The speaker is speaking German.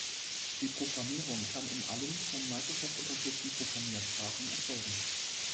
Die Programmierung kann in allen von Microsoft unterstützten Programmiersprachen erfolgen.